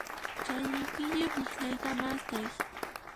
Chay llimp'iyuq llikllata mast'ay.